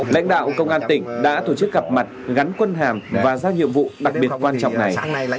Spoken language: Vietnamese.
lãnh đạo công an tỉnh đã tổ chức gặp mặt gắn quân hàm và giao nhiệm vụ đặc biệt quan trọng này